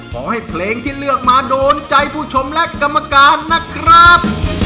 ขอให้เพลงที่เลือกมาโดนใจผู้ชมและกรรมการนะครับ